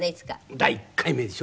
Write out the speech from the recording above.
第１回目でしょ？